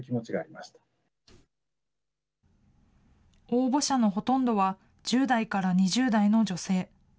応募者のほとんどは１０代から２０代の女性。